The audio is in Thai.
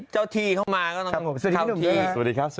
ยีนมาสวัสดีครับ